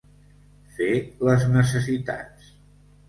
Fer les necessitats.